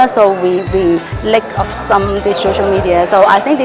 kita tidak memiliki media sosial ini